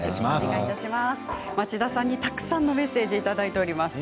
町田さんにたくさんのメッセージいただいております。